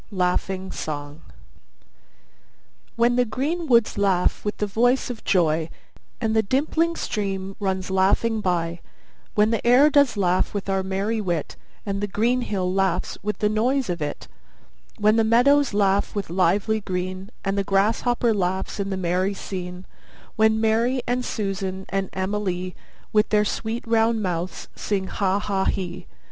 LAUGHING SONG When the green woods laugh with the voice of joy, And the dimpling stream runs laughing by; When the air does laugh with our merry wit, And the green hill laughs with the noise of it; When the meadows laugh with lively green, And the grasshopper laughs in the merry scene; When Mary and Susan and Emily With their sweet round mouths sing 'Ha ha he!